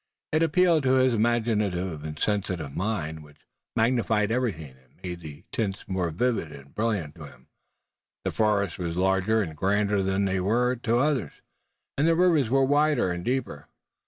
It appealed to his imaginative and sensitive mind, which magnified everything, and made the tints more vivid and brilliant. To him the forests were larger and grander than they were to the others, and the rivers were wider and deeper.